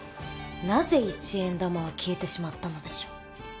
なぜ一円玉は消えてしまったのでしょう。